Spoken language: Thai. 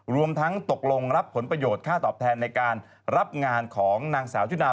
รวมทั้งตกลงรับผลประโยชน์ค่าตอบแทนในการรับงานของนางสาวจุนา